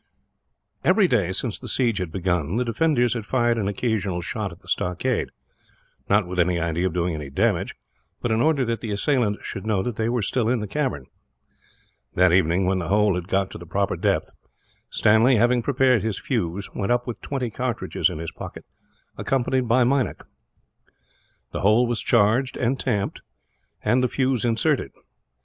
Every day, since the siege had begun, the defenders had fired an occasional shot at the stockade; not with any idea of doing any damage, but in order that the assailants should know that they were still in the cavern. That evening, when the hole had got to the proper depth, Stanley, having prepared his fuse, went up with twenty cartridges in his pocket, accompanied by Meinik. The hole was charged and tamped, and the fuse inserted.